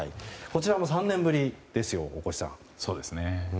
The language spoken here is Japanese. こちらも３年ぶりですよ大越さん。